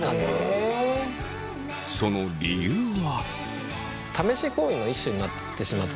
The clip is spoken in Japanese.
その理由は。